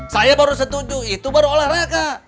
saya baru setuju itu baru olahraga